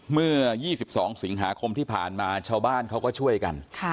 เมื่อ๒๒สิงหาคมที่ผ่านมาชาวบ้านเขาก็ช่วยกัน